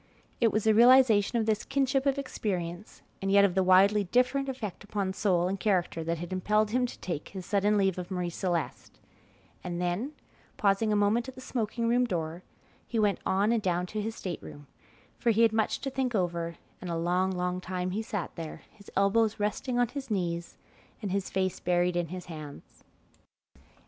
It was the realization of this kinship of experience and yet of the widely different effect upon soul and character that had impelled him to take his sudden leave of Marie Celeste, and then, pausing a moment at the smoking room door, he went on and down to his state room, for he had much to think over, and a long, long time he sat there, his elbows resting on his knees and his face buried in his hands.